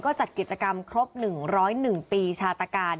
จัดกิจกรรมครบ๑๐๑ปีชาตการ